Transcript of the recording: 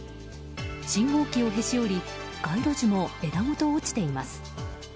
信号機をへし折り街路樹も枝ごと落ちています。